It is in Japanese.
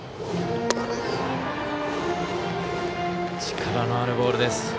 力のあるボールです。